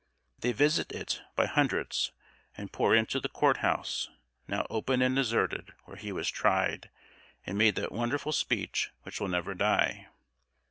They visit it by hundreds, and pour into the court house, now open and deserted, where he was tried, and made that wonderful speech which will never die.